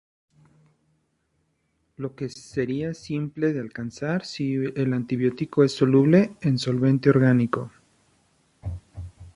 Lo que sería simple de alcanzar, si el antibiótico es soluble en solvente orgánico.